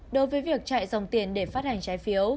đối với việc chạy dòng tiền để phát hành trái phiếu